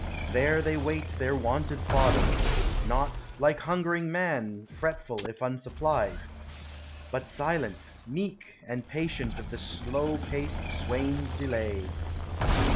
There they wail Their wonted fodder; not, like hungering man, Fretful if unsupplied; bu1 silent, meek, And patient of the slow paced swain's delay.